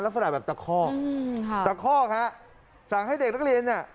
แล้วสนับแบบตะคอกตะคอกฮะสั่งให้เด็กนักเรียนเนี่ย